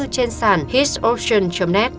trên sàn hidroxon net